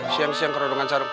siang siang kerodongan sarung